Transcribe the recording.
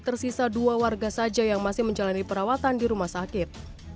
tersisa dua warga saja yang masih menjalani perawatan di rumah sakit